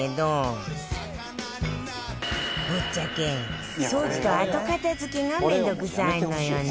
ぶっちゃけ掃除と後片付けが面倒くさいのよね